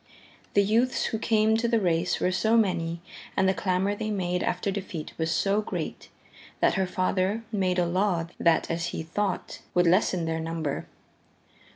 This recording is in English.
The youths who came to the race were so many and the clamor they made after defeat was so great, that her father made a law that, as he thought, would lessen their number.